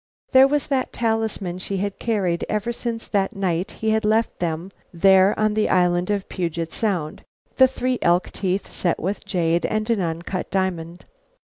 There was that talisman she had carried ever since that night he had left them there on the island of Puget Sound the three elk teeth set with jade and an uncut diamond.